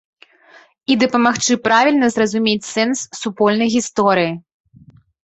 І дапамагчы правільна зразумець сэнс супольнай гісторыі.